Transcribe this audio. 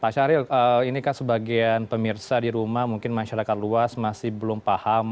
pak syahril ini kan sebagian pemirsa di rumah mungkin masyarakat luas masih belum paham